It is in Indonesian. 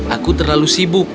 aku terlalu sibuk